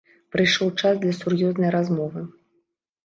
Прыйшоў час для сур'ёзнай размовы.